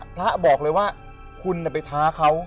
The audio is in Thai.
พระบอกเลยว่าคุณไปท้าเขา